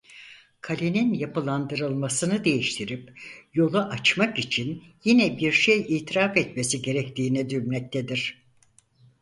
Kalenin yapılandırmasını değiştirip yolu açmak için yine bir şey itiraf etmesi gerektiğini bilmektedir.